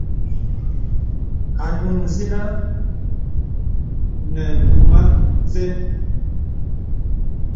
Anùn zìnə nə dùmə̄ nzə̀n.